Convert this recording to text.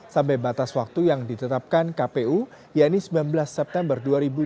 sampai batas waktu yang ditetapkan kpu yaitu sembilan belas september dua ribu dua puluh